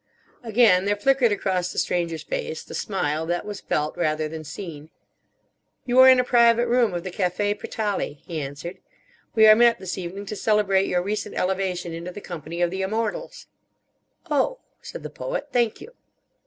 Again there flickered across the Stranger's face the smile that was felt rather than seen. "You are in a private room of the Café Pretali," he answered. "We are met this evening to celebrate your recent elevation into the company of the Immortals." "Oh," said the Poet, "thank you."